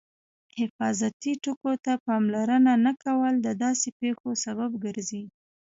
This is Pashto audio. حفاظتي ټکو ته پاملرنه نه کول د داسې پېښو سبب ګرځي.